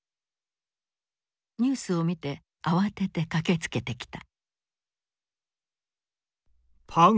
ニュースを見て慌てて駆けつけてきた。